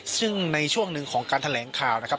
ซึ่งในช่วงหนึ่งของการแถลงข่าวนะครับ